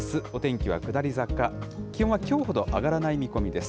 気温はきょうほど上がらない見込みです。